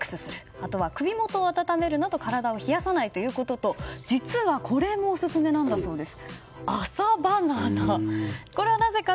あとは首元を温めるなど体を冷やさないということと実はこれもオススメなんだそうです。